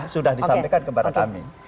sudah disampaikan kepada kami